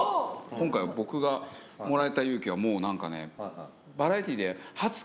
今回僕がもらえた勇気はもうなんかね